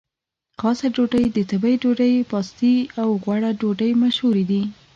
خاصه ډوډۍ، د تبۍ ډوډۍ، پاستي او غوړه ډوډۍ مشهورې دي.